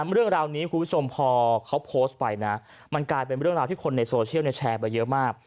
เรื่องราวนี้คุณผู้ชมพอเขาโพสต์ไปนะมันกลายเป็นเรื่องราวที่คนในโซเชียลแชร์ไปเยอะมาก